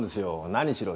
何しろ